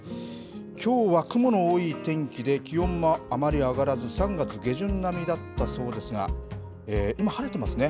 きょうは雲の多い天気で、気温もあまり上がらず、３月下旬並みだったそうですが、今、晴れてますね。